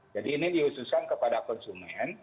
jadi ini dihususkan kepada konsumen